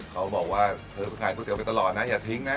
เขาบอกว่าเธอไปขายก๋วเตี๋ไปตลอดนะอย่าทิ้งนะ